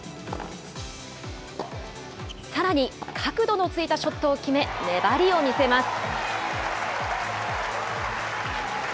さらに、角度のついたショットを決め、粘りを見せます。